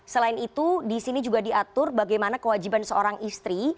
selain itu di sini juga diatur bagaimana kewajiban seorang istri